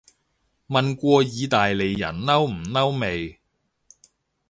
問過意大利人嬲唔嬲未